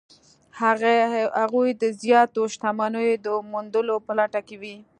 هغوی د زیاتو شتمنیو د موندلو په لټه کې وو.